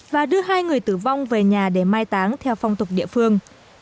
và đưa hai người tử vong về nhà để mai táng theo phong tục địa phương